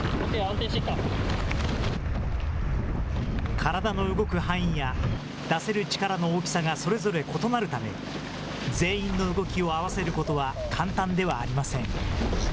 体の動く範囲や、出せる力の大きさがそれぞれ異なるため、全員の動きを合わせることは簡単ではありません。